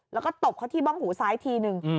แล้วก็ตบเขาที่บ้องหูซ้ายทีนึง